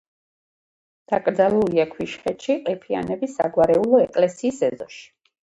დაკრძალულია ქვიშხეთში, ყიფიანების საგვარეულო ეკლესიის ეზოში.